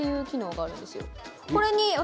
これに私